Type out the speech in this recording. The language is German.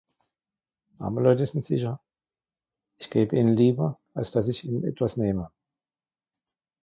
Arme Leute sind sicher: ich gebe ihnen lieber, als daß ich ihnen etwas nehme.